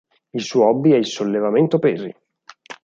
Il suo hobby è il sollevamento pesi.